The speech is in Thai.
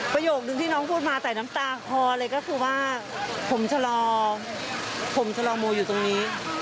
ประโยคนึงที่น้องพูดมาใส่น้ำตาคอเลยก็คือว่าผมชะลอผมชะลอโมอยู่ตรงนี้